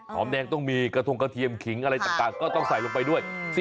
แดงต้องมีกระทงกระเทียมขิงอะไรต่างก็ต้องใส่ลงไปด้วย